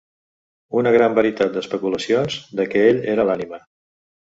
Una gran varietat d'especulacions de què ell era l'ànima.